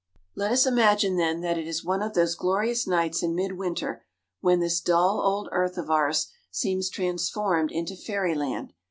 ] Let us imagine, then, that it is one of those glorious nights in midwinter when this dull old earth of ours seems transformed into fairy land.